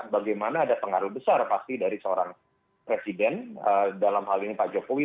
bagaimana ada pengaruh besar pasti dari seorang presiden dalam hal ini pak jokowi